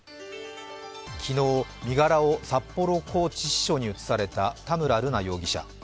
昨日、身柄を札幌拘置支所に移された田村瑠奈容疑者。